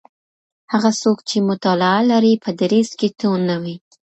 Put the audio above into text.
هغه څوک چي مطالعه لري په دریځ کي توند نه وي.